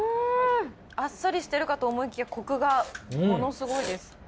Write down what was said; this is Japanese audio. あっさりしてるかと思いきやコクがものすごいです。